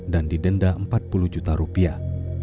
dan didenda empat puluh juta rupiah